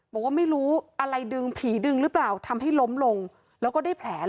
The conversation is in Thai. บอกว่าไม่รู้อะไรดึงผีดึงหรือเปล่าทำให้ล้มลงแล้วก็ได้แผลเหรอ